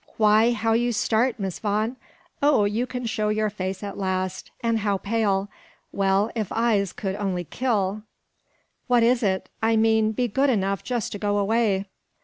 Why, how you start, Miss Vaughan! Oh, you can show your face at last! And how pale! Well, if eyes could only kill " "What is it I mean be good enough just to go away."